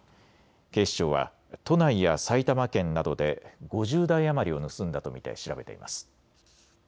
警視庁は都内や埼玉県などで５０台余りを盗んだと見て調べています。